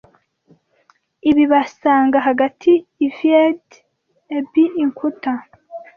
Ibi basanga, 'hagati ivied abbey-inkuta